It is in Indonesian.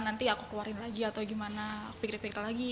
nanti aku keluarin lagi atau gimana pikir pikir lagi